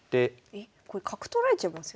えこれ角取られちゃいますよ。